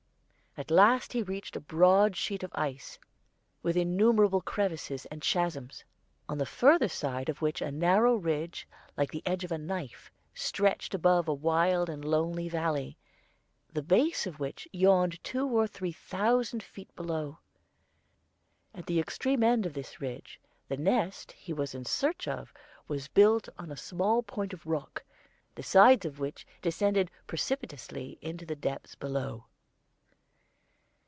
At last he reached a broad sheet of ice with innumerable crevices and chasms, on the further side of which a narrow ridge like the edge of a knife stretched above a wild and lonely valley, the base of which yawned two or three thousand feet below. At the extreme end of this ridge the nest he was in search of was built on a small point of rock, the sides of which descended precipitously into the depths below.